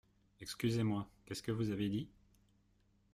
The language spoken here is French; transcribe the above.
Excusez-moi, qu’est-ce que vous avez dit ?